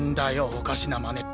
おかしな真似って。